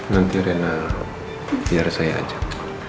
nanti rena biar saya ajak